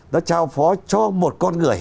nó trao phó cho một con người